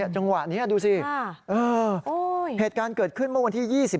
จังหวะนี้ดูสิเหตุการณ์เกิดขึ้นเมื่อวันที่๒๓